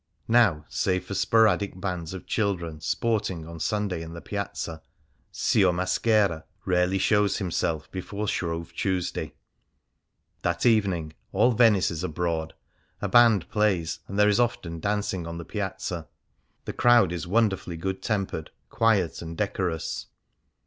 Now, save for sporadic bands of children sport ing on Sunday in the Piazza, " Sior Maschera "^ rarely shows himself before Shrove Tuesday. That evening all Venice is abroad ; a band plays, and there is often dancing on the Piazza, The crowd is wonderfully good tempered, quiet, 117 Things Seen in Venice and decorous.